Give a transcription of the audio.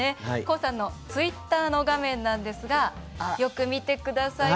ＫＯＯさんのツイッターの画面なんですがよく見てください。